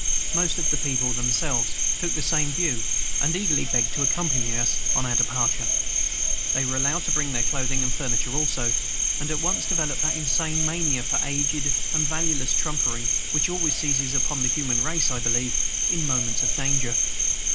Most of the people themselves took the same view, and eagerly begged to accompany us on our departure. They were allowed to bring their clothing and furniture also, and at once developed that insane mania for aged and valueless trumpery which always seizes upon the human race, I believe, in moments of danger.